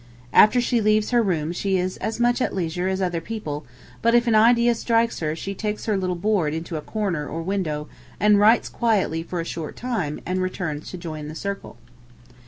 After she leaves her room she is as much at leisure as other people, but if an idea strikes her she takes her little board into a corner or window and writes quietly for a short time and returns to join the circle.